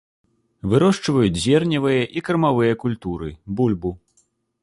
Вырошчваюць зерневыя і кармавыя культуры, бульбу.